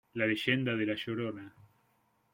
La leyenda de la llorona